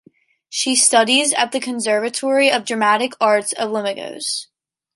She studies at the Conservatory of Dramatic Arts of Limoges.